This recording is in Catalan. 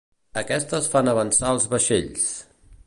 Aquestes fan avançar els vaixells.